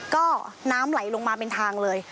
ก็น้ำไหลลงมาเป็นทางเลย